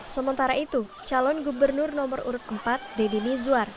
sementara itu calon gubernur nomor urut empat deddy mizwar